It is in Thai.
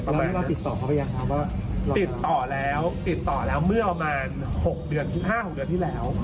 แล้วติดต่อเขาไปยังครับว่าติดต่อแล้วติดต่อแล้วเมื่อประมาณหกเดือนห้าหกเดือนที่แล้ว